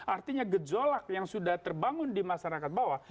artinya gejolak yang sudah terbangun di masyarakat bawah